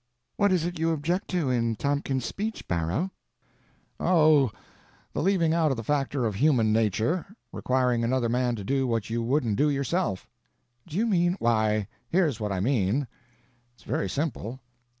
"What is it you object to in Tompkins's speech, Barrow?" "Oh, the leaving out of the factor of human nature; requiring another man to do what you wouldn't do yourself." "Do you mean—" "Why here's what I mean; it's very simple.